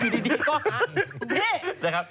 ดีก็แหละ